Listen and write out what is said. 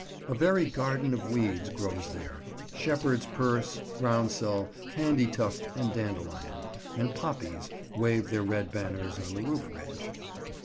A very garden of weeds grows there: shepherds' purse, groundsel, candy tuft and dandelion; and poppies wave their red banners on the roof ridge.